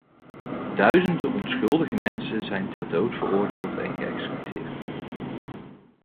Duizenden onschuldige mensen zijn ter dood veroordeeld en geëxecuteerd.